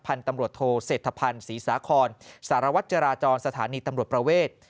พันธุ์ตำรวจโทเศรษฐภัณฑ์ศรีสาคอนสารวัตรจราจรสถานีตำรวจประเวท